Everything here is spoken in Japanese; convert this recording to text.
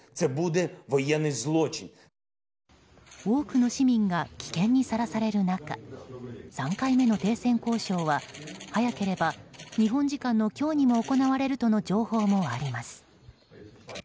多くの市民が危険にさらされる中３回目の停戦交渉は早ければ日本時間の今日にも行われるとの情報もあります。